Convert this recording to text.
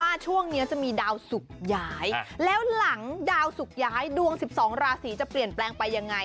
ว่าช่วงนี้จะมีดาวสุกย้ายแล้วหลังดาวสุกย้ายดวง๑๒ราศีจะเปลี่ยนแปลงไปยังไง